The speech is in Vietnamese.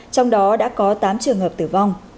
trong đó đã có tám trường hợp tử vong